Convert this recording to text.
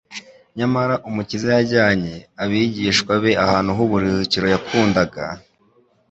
nyamara Umukiza yajyanye abigishwa be ahantu h'uburuhukiro yakundaga;